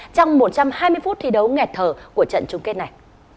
trong một trăm hai mươi phút thi đấu nghẹt thở của trận chung kết này